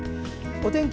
お天気